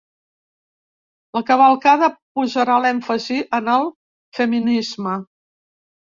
La cavalcada posarà l'èmfasi en el feminisme